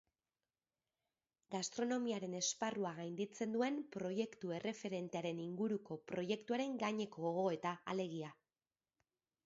Gastronomiaren esparrua gainditzen duen proiektu erreferentearen inguruko proietuaren gaineko gogoeta, alegia.